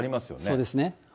そうですね。